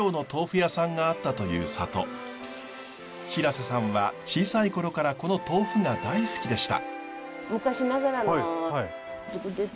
平瀬さんは小さい頃からこの豆腐が大好きでした。